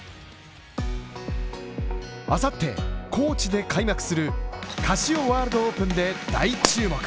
明後日、高知で開幕するカシオワールドオープンで大注目。